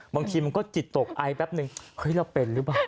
บางทีมันก็จิตตกไอแป๊บนึงเฮ้ยเราเป็นหรือเปล่า